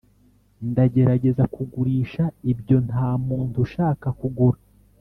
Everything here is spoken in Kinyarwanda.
ndagerageza kugurisha ibyo ntamuntu ushaka kugura;